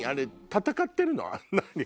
戦ってるの？